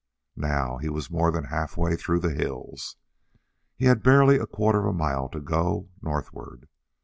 Now he was more than halfway through the hills. He had barely a quarter mile to go, northward.